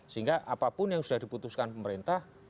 sehingga apapun yang sudah diputuskan pemerintah